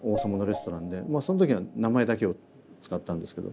その時は名前だけを使ったんですけど。